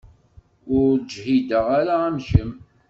Ur ǧhideɣ ara am kemm.